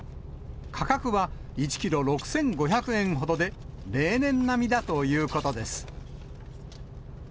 価格は１キロ６５００円ほどで、例年並みだということです。